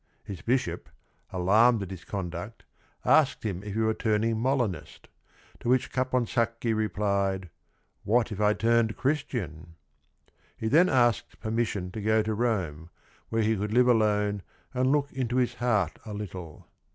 His bishop, alarmed at his conduct, asked him if he were turning Molinist, to which Caponsacchi replied, "what if I turned Christian?" He then asked permission to go to Rome, where he could live alone and look into his heart a little.